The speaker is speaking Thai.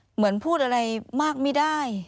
เหมือนพูดอะไรมากไม่ได้